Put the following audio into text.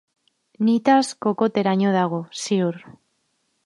Nitaz kokoteraino dago, ziur.